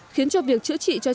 khiến cho việc chữa trị cho trẻ